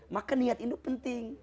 maka niat itu penting